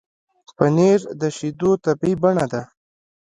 پنېر د شیدو طبیعي بڼه ده.